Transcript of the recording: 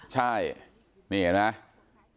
ใช่นี่เห็นไหม